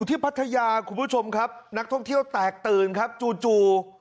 พัทยาคุณผู้ชมครับนักท่องเที่ยวแตกตื่นครับจู่